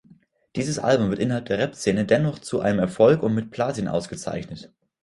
Dieses Album wird innerhalb der Rapszene dennoch zu einem Erfolg und mit Platin ausgezeichnet.